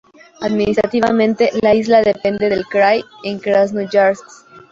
Administrativamente, la isla depende del Krai de Krasnoyarsk.